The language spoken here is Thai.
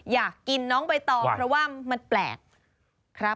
อยากกินน้องไปต่อเพราะว่ามันแปลก